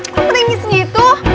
kok ringisnya itu